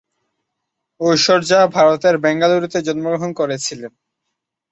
ঐশ্বর্যা ভারতের বেঙ্গালুরুতে জন্মগ্রহণ করেছিলেন।